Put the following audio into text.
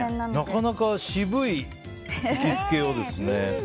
なかなか渋い行きつけですね。